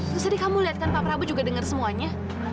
terserah kamu lihat kan papa prabu juga dengar semuanya